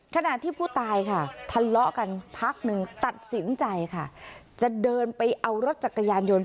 ขณะที่ผู้ตายค่ะทะเลาะกันพักหนึ่งตัดสินใจค่ะจะเดินไปเอารถจักรยานยนต์